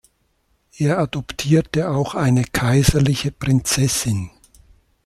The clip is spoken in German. Er adoptierte auch eine kaiserliche Prinzessin.